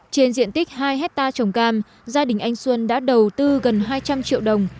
trên diện tích hai hectare trồng cam gia đình anh xuân đã đầu tư gần hai trăm linh triệu đồng